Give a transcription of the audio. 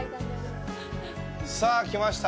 さあ、来ました。